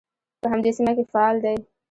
په همدې سیمه کې فعال دی.